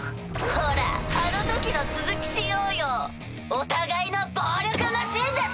ほらあのときの続きしようよお互いの暴力マシンでさ！